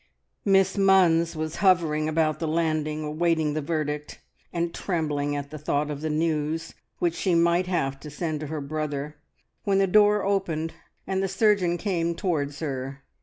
Miss Munns was hovering about the landing awaiting the verdict, and trembling at the thought of the news which she might have to send to her brother, when the door opened and the surgeon came towards her.